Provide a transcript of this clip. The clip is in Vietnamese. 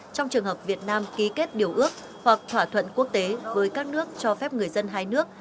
trong trường hợp việt nam ký kết điều ước hoặc thỏa thuận quốc tế với các nước cho phép người dân hai nước